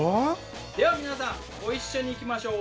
では皆さんご一緒にいきましょう。